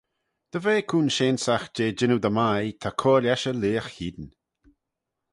Dy ve coonsheansagh jeh jannoo dy mie ta cur lesh y leagh hene.